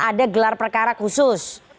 ada gelar perkara khusus